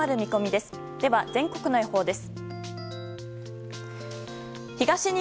では、全国の予報です。